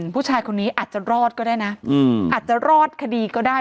ผู้ชายคนนี้อาจจะรอดก็ได้นะอาจจะรอดคดีก็ได้